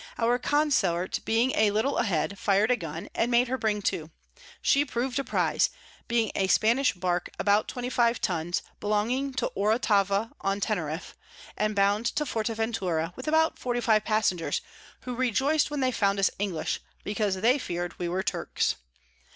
Our Consort being a little a Head, fir'd a Gun, and made her bring to; she prov'd a Prize, being a Spanish Bark about 25 Tuns, belonging to Oratava on Teneriff, and bound to Forteventura with about 45 Passengers; who rejoic'd when they found us English, because they fear'd we were Turks.